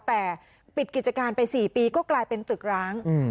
แต่ปิดกิจการไป๔ปีก็กลายเป็นตึกร้าง